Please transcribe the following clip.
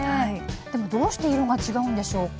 でもどうして色が違うんでしょうか。